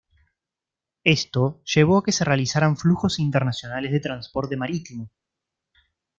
Esto llevó a que se realizaran flujos internacionales de transporte marítimo.